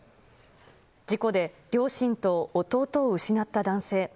事故で両親と弟を失った男性。